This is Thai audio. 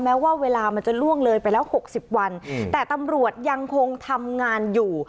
แม้ว่าเวลามันจะล่วงเลยไปแล้ว๖๐วันแต่ตำรวจยังคงทำงานอยู่